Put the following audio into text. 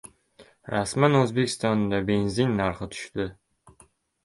Rasman! O‘zbekistonda benzin narxi tushdi